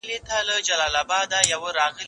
زه هره ورځ ږغ اورم!.